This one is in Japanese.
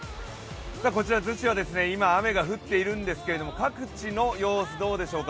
こちら逗子は今雨が降っているんですけども、各地の様子、どうでしょうか。